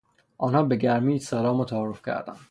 با آنها به گرمی سلام و تعارف کردند.